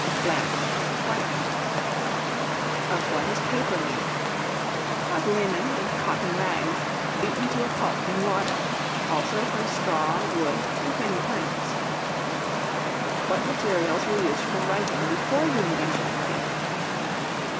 Blanched, whitened. Of what is Paper made? Of linen and cotton rags beaten to a pulp in water; also from straw, wood, and many plants. What materials were used for writing, before the invention of Paper?